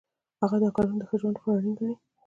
هغه دا کارونه د ښه ژوند لپاره اړین ګڼي.